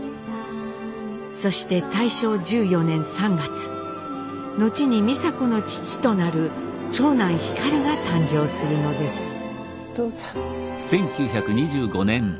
そして大正１４年３月後に美佐子の父となる長男皓が誕生するのです。